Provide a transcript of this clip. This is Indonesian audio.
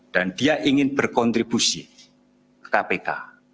dan dia ingin berkontribusi ke kpk